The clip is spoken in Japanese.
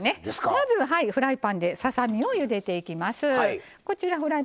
まずフライパンでささ身をゆでます。